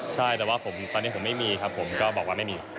ใช่แต่ว่าตอนนี้ผมไม่มีครับผมก็บอกว่าไม่มี